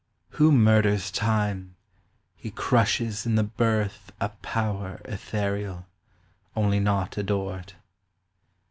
Who murders time, he crushes in the birth A power ethereal, only not adored.